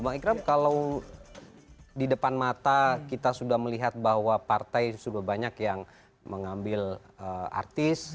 bang ikram kalau di depan mata kita sudah melihat bahwa partai sudah banyak yang mengambil artis